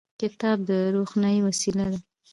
کتاب د روښنايي وسیله ده.